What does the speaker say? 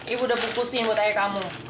ibu udah bukus nih yang buat ayah kamu